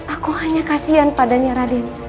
aku hanya kasihan padanya